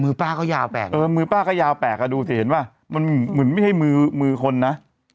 มือป๊าเราเปลี่ยวแบบมือป้ากับยาวแปลกกาดูเห็นว่ามึงมือไม่มือมือคนนะ